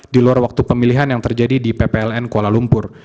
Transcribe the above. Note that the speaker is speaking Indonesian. di luar waktu pemilihan yang terjadi di ppln kuala lumpur